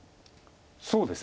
そうですね。